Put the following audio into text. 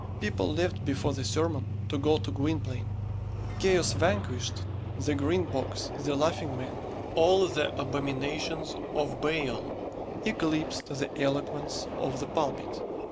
People left before the sermon to go to Gwynplaine. "Chaos Vanquished," the Green Box, the Laughing Man, all the abominations of Baal, eclipsed the eloquence of the pulpit.